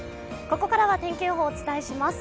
ここからは天気予報をお伝えします。